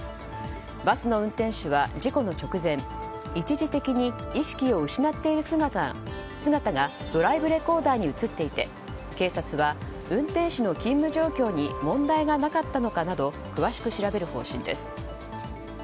バスの運転手は事故の直前一時的に意識を失っている姿がドライブレコーダーに映っていて警察は、運転手の勤務状況に問題がなかったのかなど詳しく調べる方針です。